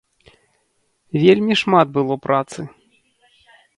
Вельмі шмат было працы.